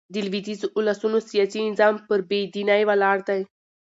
د لوېدیځو اولسونو سیاسي نظام پر بې دينۍ ولاړ دئ.